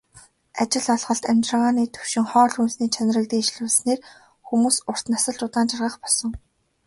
Ажил олголт, амьжиргааны түвшин, хоол хүнсний чанарыг дээшлүүлснээр хүмүүс урт насалж, удаан жаргах болсон.